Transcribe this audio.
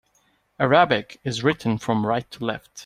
Arabic is written from right to left.